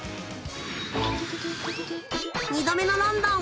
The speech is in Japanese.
「２度目のロンドン」。